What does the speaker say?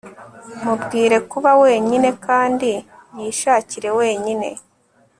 mubwire kuba wenyine kandi yishakire wenyine